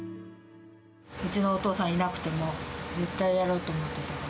うちのお父さんいなくても、絶対やろうと思ってたから。